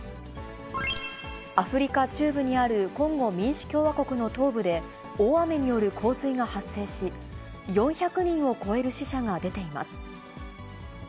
アフリカ中部にあるコンゴ民主共和国の東部で、大雨による洪水が発生し、４００人を超える死者が出ています。